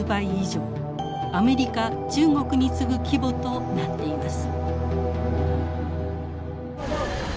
アメリカ中国に次ぐ規模となっています。